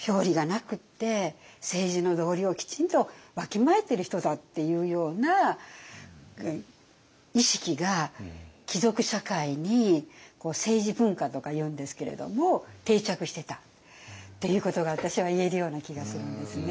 それはやっぱりっていうような意識が貴族社会に政治文化とかいうんですけれども定着してたっていうことが私は言えるような気がするんですね。